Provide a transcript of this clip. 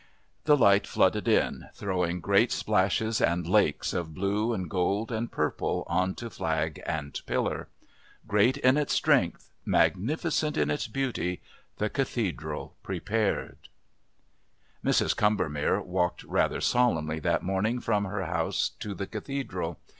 The light flooded in, throwing great splashes and lakes of blue and gold and purple on to flag and pillar. Great in its strength, magnificent in its beauty, the Cathedral prepared.... Mrs. Combermere walked rather solemnly that morning from her house to the Cathedral.